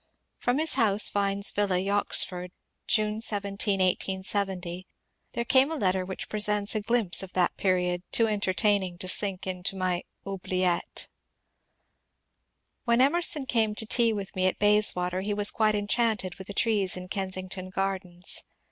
From his house. Vines Villa, Yoxford, June 17, 1870, there came a letter which presents a glimpse of that period too entertaining to sink into my oubliette :— When Emerson came to tea with me at Bayswater he was quite enchanted with the trees in Kensington Grardens.